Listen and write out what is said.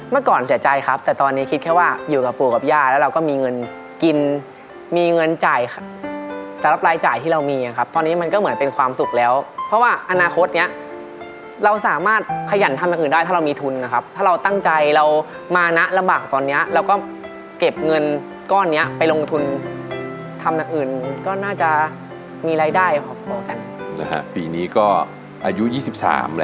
เมื่อก่อนเสียใจครับแต่ตอนนี้คิดแค่ว่าอยู่กับปู่กับย่าแล้วเราก็มีเงินกินมีเงินจ่ายสำหรับรายจ่ายที่เรามีครับตอนนี้มันก็เหมือนเป็นความสุขแล้วเพราะว่าอนาคตเนี้ยเราสามารถขยันทำอย่างอื่นได้ถ้าเรามีทุนนะครับถ้าเราตั้งใจเรามานะลำบากตอนเนี้ยเราก็เก็บเงินก้อนเนี้ยไปลงทุนทำอย่างอื่นก็น่าจะมีรายได้ครอบครัวกันนะฮะปีนี้ก็อายุยี่สิบสามแล้ว